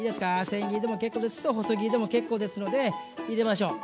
せん切りでも結構ですし細切りでも結構ですので入れましょう。